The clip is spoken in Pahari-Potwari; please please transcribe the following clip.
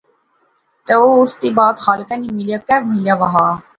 تے او اس تھی بعد خالقے نی ملیا، کہہ ملے وہا